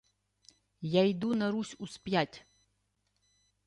— Я йду на Русь yсп'ять.